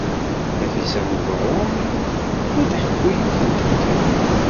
Nafisa n Ubeṛṛan la d-tḥekku yiwet n teḥkayt.